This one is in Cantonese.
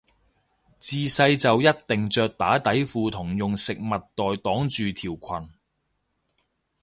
自細就一定着打底褲同用食物袋擋住條裙